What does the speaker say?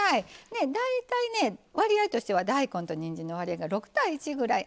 ねっ大体ね割合としては大根とにんじんの割合が６：１ぐらい。